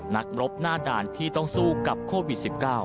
นักรบหน้าด่านที่ต้องสู้กับโควิด๑๙